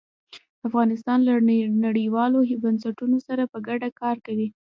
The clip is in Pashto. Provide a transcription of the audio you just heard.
افغانستان له نړیوالو بنسټونو سره په ګډه کار کوي.